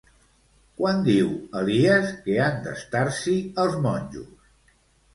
Quant diu Elias que han d'estar-s'hi els monjos?